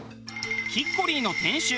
キッコリーの店主